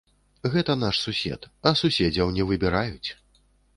Гэта наш сусед, а суседзяў не выбіраюць!